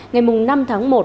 ngày năm tháng một